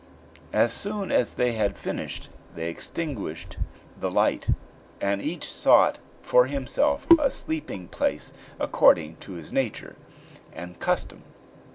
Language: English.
As soon as they had finished, they extinguished the light, and each sought for himself a sleeping place, according to his nature and custom.